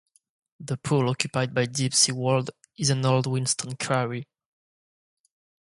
The pool occupied by Deep Sea World is an old whinstone quarry.